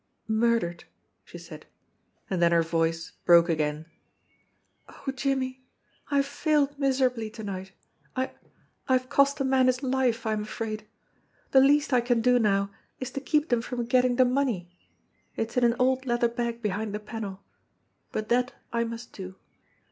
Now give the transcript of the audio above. "Murdered," she said. And then her voice broke again. "Oh, Jimmie, I have failed miserably to night. I I have cost a man his life, I am afraid. The least I can do now is to keep them from getting the money it's in an old leather bag behind the panel but that I must do.